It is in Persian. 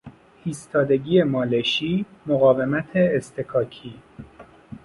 ایستادگی مالشی، مقاومت اصطکاکی